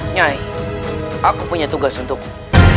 nyai aku punya tugas untukmu